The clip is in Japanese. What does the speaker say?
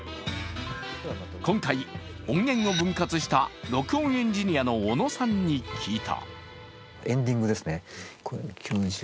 今回、音源を分割した録音エンジニアのオノさんに聞いた。